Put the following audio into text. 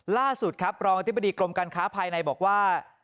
ล่าสุดครับรองอธิบดีกรมการค้าภายในบอกว่า